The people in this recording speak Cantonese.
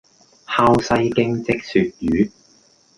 烤西京漬鱈魚